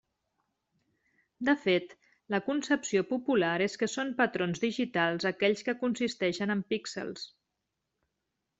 De fet, la concepció popular és que són patrons digitals aquells que consisteixen en píxels.